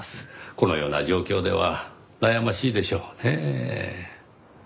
このような状況では悩ましいでしょうねぇ。